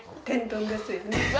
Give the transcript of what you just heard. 天丼ですよね。